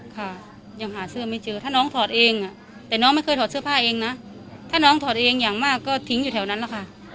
ค่ะยังหาเสื้อไม่เจอถ้าน้องถอดเองแต่น้องไม่เคยถอดเสื้อผ้าเองนะถ้าน้องถอดเองอย่างมากก็ทิ้งอยู่แถวนั้นแหละค่ะ